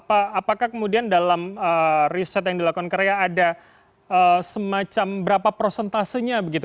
apakah kemudian dalam riset yang dilakukan korea ada semacam berapa prosentasenya begitu